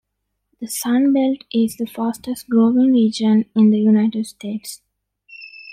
The sun belt is the fastest growing region in the United States.